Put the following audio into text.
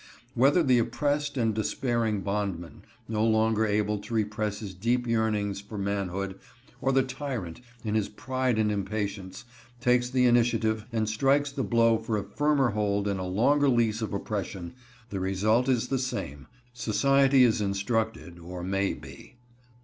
Whether the oppressed and despairing bondman, no longer able to repress his deep yearnings for manhood, or the tyrant, in his pride and impatience, takes the initiative, and strikes the blow for a firmer hold and a longer lease of oppression, the result is the same,—society is instructed, or may be.